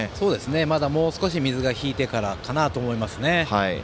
まだもうちょっと水が引いてからかなと思いますね。